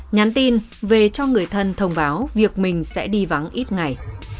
nhắn tin về cho người thân thông báo việc mình sẽ đi vắng ít ngày